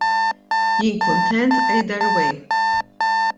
Jien kuntent either way.